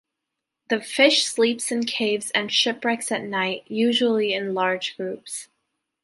The fish sleeps in caves and shipwrecks at night, usually in large groups.